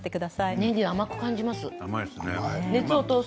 ねぎ、甘く感じます。